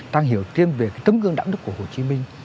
càng hiểu thêm về tấm gương đẳng đức của hồ chí minh